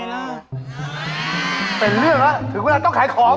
เป็นเรื่องแล้วถึงวันนั้นต้องขายของ